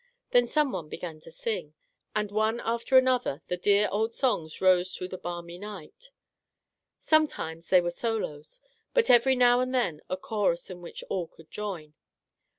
Then some one began to sing, and one after another the dear old songs rose through the balmy night. Sometimes there were solos, but every now and then a chorus in which all could join.